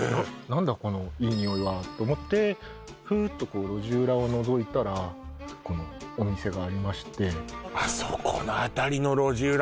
「何だこのいい匂いは」と思ってフーッとこう路地裏をのぞいたらこのお店がありましてあそこの辺りの路地裏